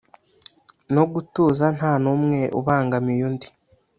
no gutuza nta numwe ubangamiye undi